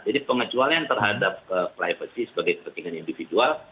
jadi pengecualian terhadap privacy sebagai kepentingan individual